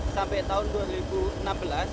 sampai tahun dua ribu enam belas